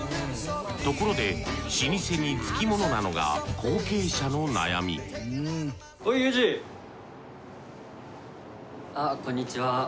ところで老舗に付き物なのが後継者の悩みこんにちは。